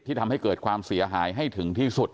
ทำให้เกิดความเสียหายให้ถึงที่สุด